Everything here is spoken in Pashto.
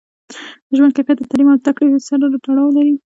د ژوند کیفیت د تعلیم او زده کړې سره تړاو لري.